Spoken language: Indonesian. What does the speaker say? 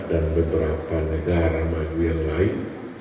dan beberapa negara maju yang lain